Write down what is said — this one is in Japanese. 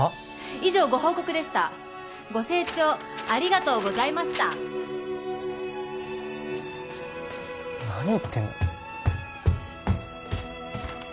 以上ご報告でしたご清聴ありがとうございました何言ってんの？